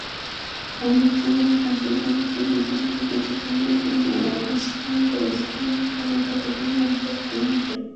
কামারুজ্জামানের ফাঁসির দাবিতে বিকেল থেকেই সেখানে গণ-অবস্থান করছিলেন গণজাগরণ মঞ্চের কর্মী-সংগঠকেরা।